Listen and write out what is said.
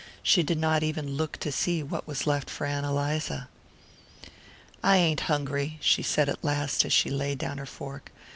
She did not even look to see what was left for Ann Eliza. "I ain't hungry," she said at last as she laid down her fork.